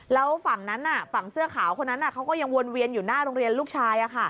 แล้วฝั่งนั้นฝั่งเสื้อขาวคนนั้นเขาก็ยังวนเวียนอยู่หน้าโรงเรียนลูกชาย